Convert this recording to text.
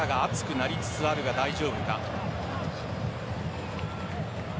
チャカが熱くなりつつあるが大丈夫か。